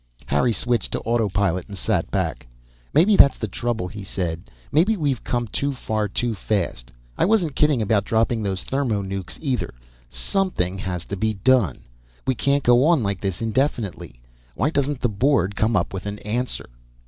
Harry switched to autopilot and sat back. "Maybe that's the trouble," he said. "Maybe we've come too far, too fast. I wasn't kidding about dropping those thermo nucs, either. Something has to be done. We can't go on like this indefinitely. Why doesn't the Board come up with an answer?"